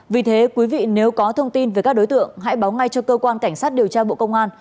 vì thế quý vị nếu có thông tin về các đối tượng hãy báo ngay cho cơ quan cảnh sát điều tra bộ công an